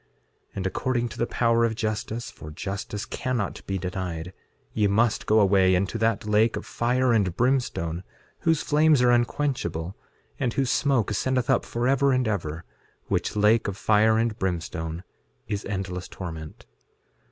6:10 And according to the power of justice, for justice cannot be denied, ye must go away into that lake of fire and brimstone, whose flames are unquenchable, and whose smoke ascendeth up forever and ever, which lake of fire and brimstone is endless torment.